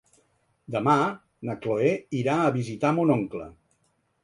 Demà na Chloé irà a visitar mon oncle.